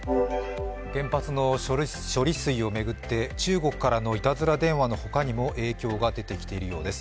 原発の処理水を巡って中国からのいたずら電話の他にも影響が出てきているようです。